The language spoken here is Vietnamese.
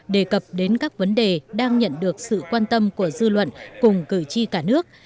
đề cập đến các vấn đề đang nhận được sự quan tâm của dư luận cùng cử tri cả nước